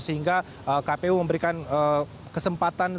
sehingga kpu memberikan kesempatan